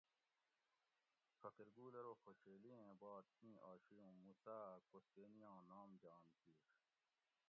فقیر گل ارو خوشیلیٔں بات ایں آشی اوں موسیٰ اۤ کوستینیاں نام جان کیر